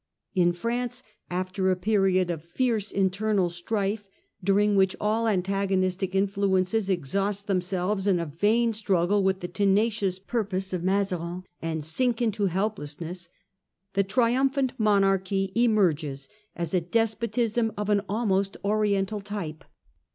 In France, after a period of fierce internal strife, during which all antagonistic influences exhaust them selves in a vain struggle with the tenacious purpose of Mazarin, and sink into helplessness, the triumphant monarchy emerges as a despotism of an almost oriental type.